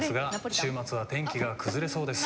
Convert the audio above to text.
「週末は天気が崩れそうです」。